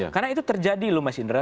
karena itu terjadi loh mas indra